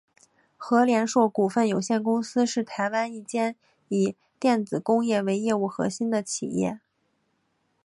禾联硕股份有限公司是台湾一间以电子工业为业务核心的企业。